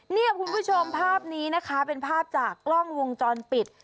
เนี่ยคุณผู้ชมภาพนี้นะคะเป็นภาพจากกล้องวงจรปิด